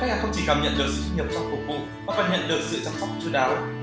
là không chỉ cảm nhận được sự nghiệp trong phục vụ mà còn nhận được sự chăm sóc chú đáo